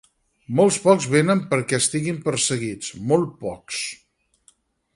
Molts pocs venen perquè estiguin perseguits, molt pocs.